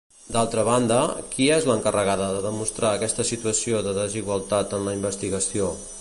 D'altra banda, qui és l'encarregada de demostrar aquesta situació de desigualtat en la investigació?